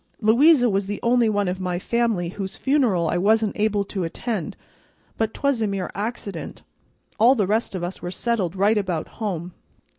Louisa was the only one of my family whose funeral I wasn't able to attend, but 'twas a mere accident. All the rest of us were settled right about home.